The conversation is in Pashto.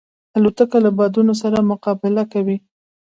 الوتکه له بادونو سره مقابله کوي.